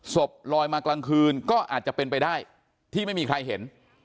ศพลอยมากลางคืนก็อาจจะเป็นไปได้ที่ไม่มีใครเห็น